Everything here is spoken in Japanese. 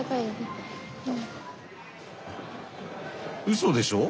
うそでしょ？